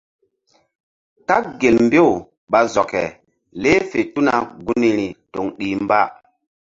Kaɓ gel mbew ɓa zɔke leh fe tuna gunri toŋ ɗih mba.